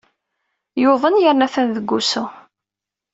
Yuḍen yerna atan deg wusu.